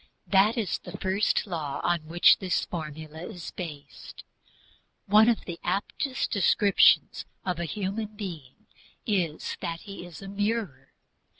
All men are reflectors that is THE FIRST LAW on which this formula is based. One of the aptest descriptions of a human being is that he is a mirror.